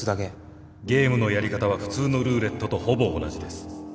ゲームのやり方は普通のルーレットとほぼ同じです。